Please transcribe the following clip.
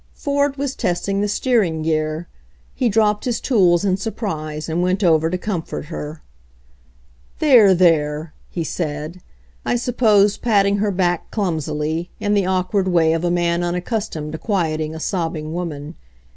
Ford was testing the steering gear. He dropped his tools in surprise, and went over to comfort her. "There, there !" he said, I suppose patting her back clumsily, in the awkward way of a man un accustomed to quieting a sobbing woman.